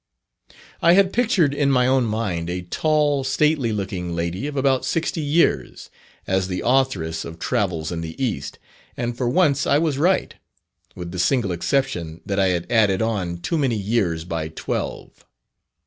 I had pictured in my own mind a tall, stately looking lady of about sixty years, as the authoress of "Travels in the East," and for once I was right, with the single exception that I had added on too many years by twelve.